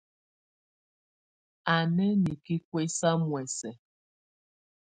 Á na niki kuɛsa muɛsɛ.